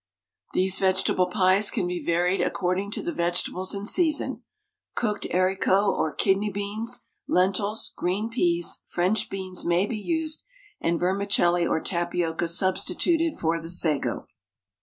These vegetable pies can be varied according to the vegetables in season; cooked haricot or kidney beans, lentils, green peas, French beans may be used, and vermicelli or tapioca substituted for the sago.